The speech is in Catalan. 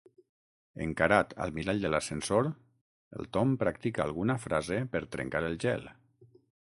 Encarat al mirall de l'ascensor, el Tom practica alguna frase per trencar el gel.